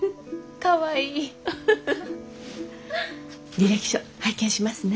履歴書拝見しますね。